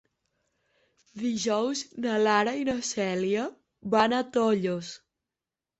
Dijous na Lara i na Cèlia van a Tollos.